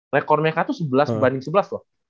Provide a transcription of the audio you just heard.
rekor mereka itu sebelas banding sebelas loh